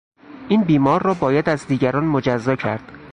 این بیمار را باید از دیگران مجزا کرد.